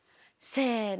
せの。